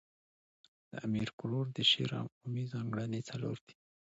د امیر کروړ د شعر عمومي ځانګړني، څلور دي.